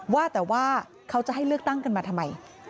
ว่าแต่ว่าเขาจะให้เลือกตั้งกันมาทำไม